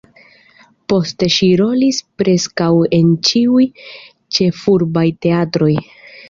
Poste ŝi rolis preskaŭ en ĉiuj ĉefurbaj teatroj.